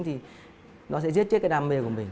thì nó sẽ giết chiếc cái đam mê của mình